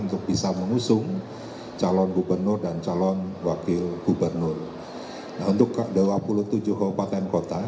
untuk bisa menyusung calon gubernur dan calon wakil gubernur untuk seeds juga opaten kota